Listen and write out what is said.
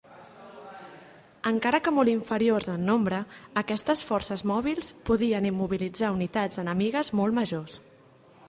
Encara que molt inferiors en nombre, aquestes forces mòbils podien immobilitzar unitats enemigues molt majors.